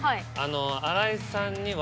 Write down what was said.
「新井さんには」。